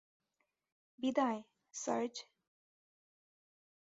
বিদায়, সার্জ।